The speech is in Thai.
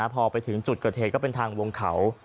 พอไปถึงจุดเกิดเหตุก็เป็นทางวงเขา